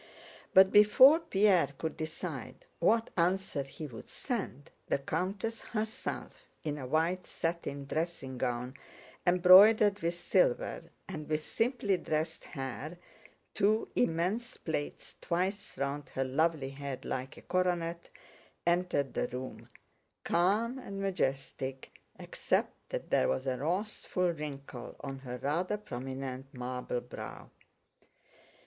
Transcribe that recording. But before Pierre could decide what answer he would send, the countess herself in a white satin dressing gown embroidered with silver and with simply dressed hair (two immense plaits twice round her lovely head like a coronet) entered the room, calm and majestic, except that there was a wrathful wrinkle on her rather prominent marble brow.